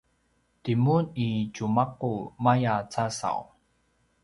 timun i tjumaqu maya casaw